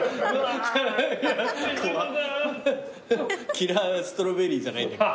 キラーストロベリーじゃないんだから。